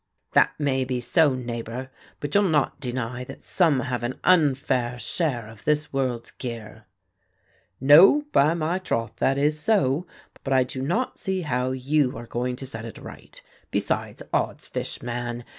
"That may be so, neighbour, but you'll not deny that some have an unfair share of this world's gear." "No, by my troth, that is so; but I do not see how you are going to set it right. Besides, oddsfish, man!